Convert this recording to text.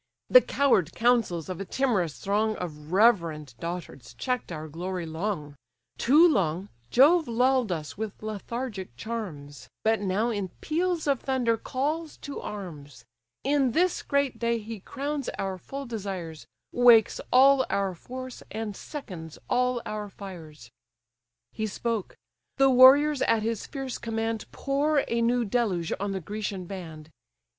The coward counsels of a timorous throng Of reverend dotards check'd our glory long: Too long Jove lull'd us with lethargic charms, But now in peals of thunder calls to arms: In this great day he crowns our full desires, Wakes all our force, and seconds all our fires." He spoke—the warriors at his fierce command Pour a new deluge on the Grecian band.